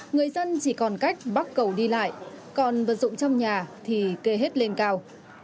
người dân chỉ còn cách bắt cầu đi lại còn vật dụng trong nhà thì kê hết lên cao